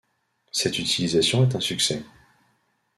Cette utilisation est un succès.